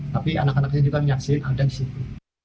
tapi anak anaknya juga menyaksikan ada di situ